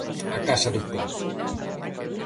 A casa do pobo.